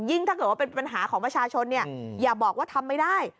ถ้าเกิดว่าเป็นปัญหาของประชาชนเนี่ยอย่าบอกว่าทำไม่ได้